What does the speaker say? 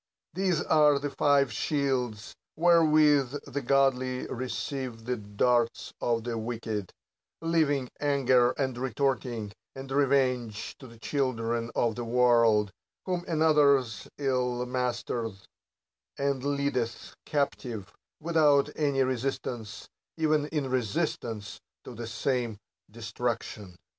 These are the five shields, wherewith the godly receive the darts of the wicked : leaving anger, and retorting, and revenge to the children of the world ; whom another's ill mastereth, and leadeth captive, without any resist ance, even in resistance, to the same destruction.